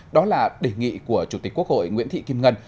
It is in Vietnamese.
đó là đề nghị của chủ tịch quốc hội nguyễn thị kim ngân